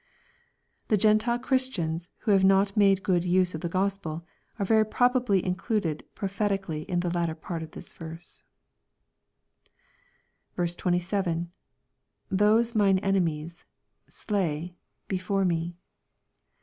The Grentile Christians who have not made a good use of the Gospel, are very probably included prophetically in the latter part of the verse. 27. — [Those mine enemies...8lay... before me.